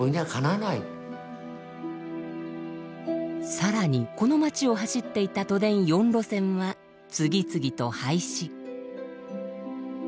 さらにこの街を走っていた都電４路線は次々と廃止。